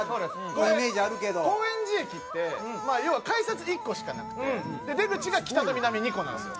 高円寺駅ってまあ要は改札１個しかなくて出口が北と南２個なんですよ。